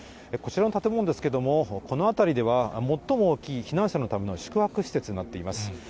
こちらの建物ですけれども、この辺りでは最も大きい避難者のための宿泊施設になっています。